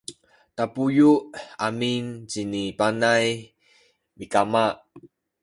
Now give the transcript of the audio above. tabuyu’ amin cini Panay mikama